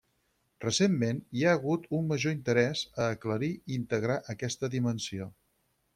Recentment, hi ha hagut un major interès a aclarir i integrar aquesta dimensió.